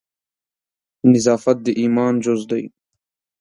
نظافت د ایمان جز ده